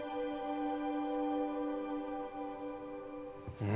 うん。